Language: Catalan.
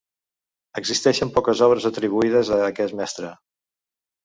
Existeixen poques obres atribuïdes a aquest mestre.